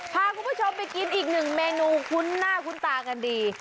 พาคุณผู้ชมไปกินอีกหนึ่งเมนูคุ้นหน้าคุ้นตากันดี